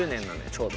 ちょうど。